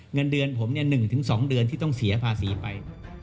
เงินเดือนผม๑๒เดือนที่ต้องเสียภาษีไป